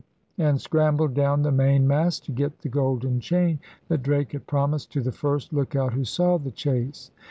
and scrambled down the mainmast to get the golden chain that Drake had promised to the first lookout who saw the chase.